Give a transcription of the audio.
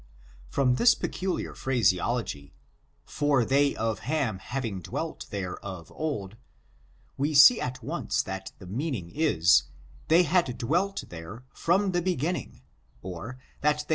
From this peculiar phraseology, /or ihep of Ham having dwelt there of old^ we see at once that the meaning is, they had dwelt there from the beginning, or that they